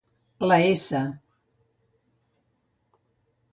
La s